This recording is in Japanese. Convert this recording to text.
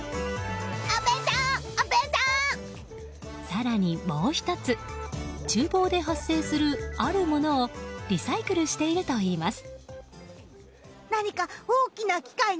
更に、もう１つ厨房で発生するあるものをリサイクルしているといいます。